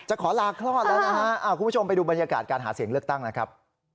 ขอลาคลอดแล้วนะฮะคุณผู้ชมไปดูบรรยากาศการหาเสียงเลือกตั้งนะครับ